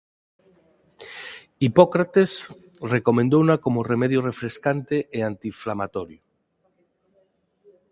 Hipócrates recomendouna coma remedio refrescante e antiinflamatorio.